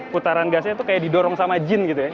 putaran gasnya tuh kayak didorong sama jin gitu ya